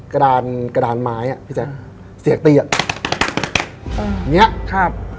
กระดานกระดานไม้อ่ะพี่แจ๊คเสียงตีอ่ะอืมเนี้ยครับ